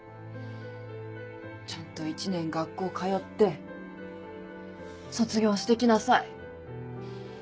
ちゃんと一年学校通って卒業してきなさい。